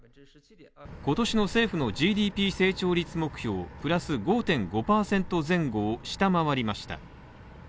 今年の政府のＧＤＰ成長率目標プラス５．５％前後を下回りました。